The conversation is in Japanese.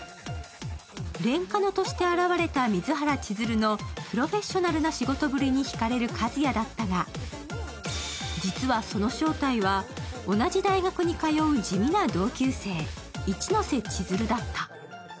レンカノとして現れた水原千鶴のプロフェッショナルな仕事ぶりにひかれる和也だったが実はその正体は同じ大学に通う地味な同級生、一ノ瀬ちづるだった。